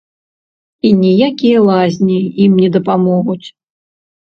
І ніякія лазні ім не дапамогуць.